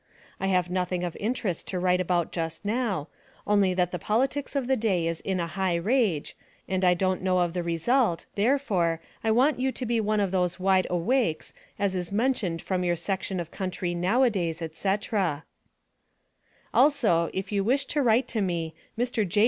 I have nothing of interest to write about just now, only that the politics of the day is in a high rage, and I don't know of the result, therefore, I want you to be one of those wide a wakes as is mentioned from your section of country now a days, &c. Also, if you wish to write to me, Mr. J.